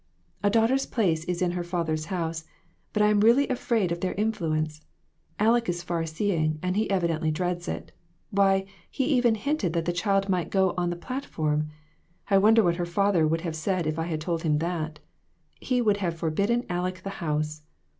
"A daughter's place is in her father's house, but I really am afraid of their influence. Aleck is far seeing, and he evidently dreads it. Why, he even hinted that the child might go on the plat form ! I wonder what her father would have said if I had told him that ! He would have forbidden Aleck the house